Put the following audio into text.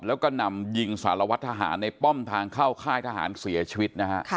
แล้วก็นำยิงสารวัตรทหารในป้อมทางเข้าค่ายทหารเสียชีวิตนะฮะ